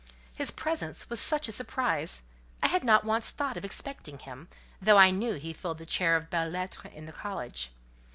His presence was such a surprise: I had not once thought of expecting him, though I knew he filled the chair of Belles Lettres in the college.